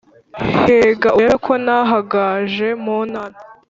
henga urebe ko ntahangaje munara